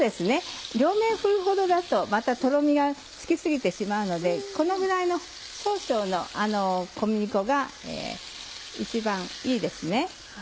両面だととろみがつき過ぎてしまうのでこのぐらいの少々の小麦粉が一番いいですね。